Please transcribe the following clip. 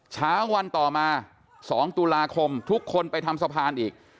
เช้าวันต่อมา๒ตุลาคมทุกคนไปทำสะพานอีก